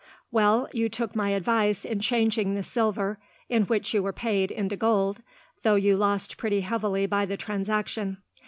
"Well, you took my advice, in changing the silver in which you were paid into gold, though you lost pretty heavily by the transaction.